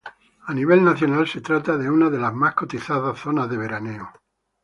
A nivel nacional, se trata de una de las más cotizadas zonas de veraneo.